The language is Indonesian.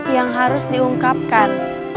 yang harus diungkapkan